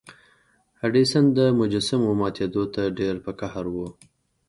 هډسن د مجسمو ماتیدو ته ډیر په قهر و.